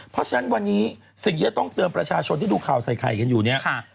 เพราะฉะนั้นวันนี้สิ่งที่จะต้องเตือนประชาชนที่ดูข่าวใส่ไข่กันอยู่เนี่ย